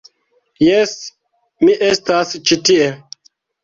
Jes, mi estas ĉi tie